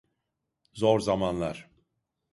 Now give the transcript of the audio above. Zor zamanlar.